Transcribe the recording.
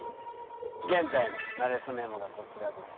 現在の「なれそメモ」がこちらです